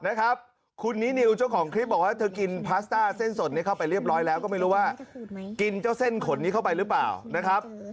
นะครับคุณนินิวเจ้าของคลิปบอกว่าเธอกินพาสต้าเส้นสดนี้เข้าไปเรียบร้อยแล้วก็ไม่รู้ว่ากินเจ้าเส้นขนนี้เข้าไปหรือเปล่านะครับ